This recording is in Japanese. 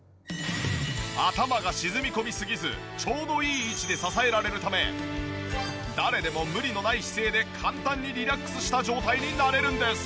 頭が沈み込みすぎずちょうどいい位置で支えられるため誰でも無理のない姿勢で簡単にリラックスした状態になれるんです。